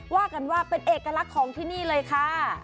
ว่ากันว่าเป็นเอกลักษณ์ของที่นี่เลยค่ะ